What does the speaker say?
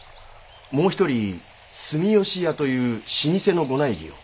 もう一人住吉屋という老舗のご内儀を。